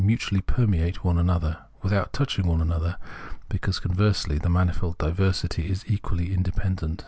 utually permeate one another — without touching one another, because, conversely, the manifold diversity is equally independent.